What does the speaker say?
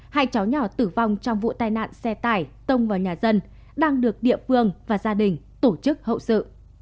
hai cháu nhỏ tử vong trong vụ tai nạn xe tải tông vào nhà dân đang được địa phương và gia đình tổ chức hậu sự